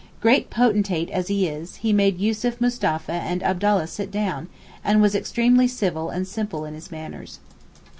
Great potentate as he is, he made Yussuf Mustapha and Abdallah sit down, and was extremely civil and simple in his manners.